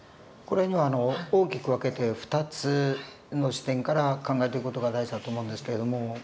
これには大きく分けて２つの視点から考えていく事が大事だと思うんですけれども。